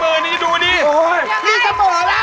สุโคไทยครับสุโคไทยครับสุโคไทยครับ